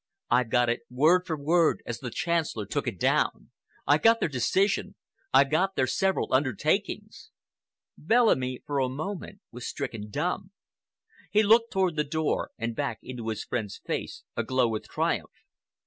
I've got it word for word as the Chancellor took it down. I've got their decision. I've got their several undertakings." Bellamy for a moment was stricken dumb. He looked toward the door and back into his friend's face aglow with triumph.